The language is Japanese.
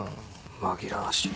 紛らわしい。